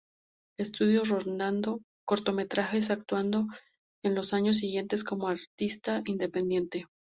Studios rodando cortometrajes, actuando en los años siguientes como artista independiente.